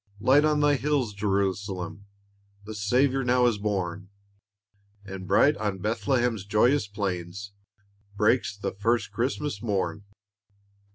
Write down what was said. "Light on thy hills, Jerusalem! The Saviour now is born! And bright on Bethlehem's joyous plains Breaks the first Christmas morn."